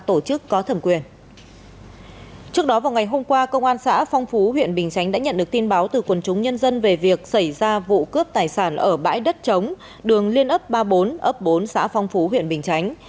trước đó vào ngày hôm qua công an xã phong phú huyện bình chánh đã nhận được tin báo từ quần chúng nhân dân về việc xảy ra vụ cướp tài sản ở bãi đất trống đường liên ấp ba mươi bốn ấp bốn xã phong phú huyện bình chánh